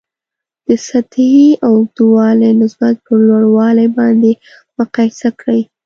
د سطحې د اوږدوالي نسبت پر لوړوالي باندې مقایسه کړئ.